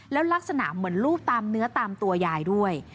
แล้วลักษณะเหมือนรูปตามเนื้อตามตัวยายด้วย